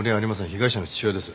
被害者の父親です。